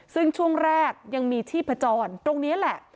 ซึ่งช่วงแรกยังมีชีพจรตรงนี้แหละ